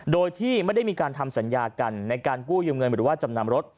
โดยที่ไม่ได้มีการทำสัญญากันในการกู้ยืมเงินหรือว่าจำนำรถ